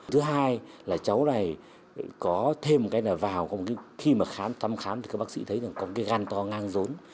thứ hai là cháu này có thêm một cái là vào khi mà thăm khám thì các bác sĩ thấy là có một cái gan to ngang rốn